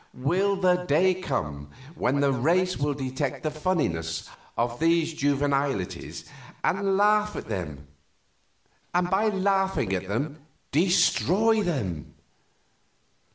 Will a day come when the race will detect the funniness of these juvenilities and laugh at them and by laughing at them destroy them?